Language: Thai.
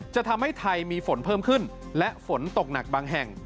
จะทำให้ไทยมีฝนเพิ่มขึ้นและฝนตกหนักบางแห่ง